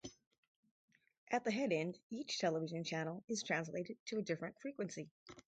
At the headend, each television channel is translated to a different frequency.